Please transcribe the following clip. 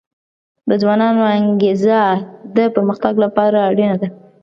د ځوانانو انګیزه د پرمختګ لپاره اړینه ده.